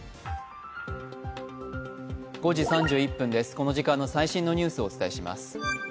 この時間の最新のニュースをお伝えします。